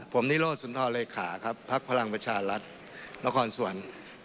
ผมนิรวสุนทรเลขาพลัครรังประชารัติระคอนสุวรรษ